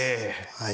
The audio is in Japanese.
はい。